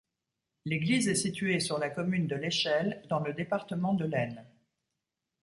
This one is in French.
L'église est située sur la commune de Leschelle, dans le département de l'Aisne.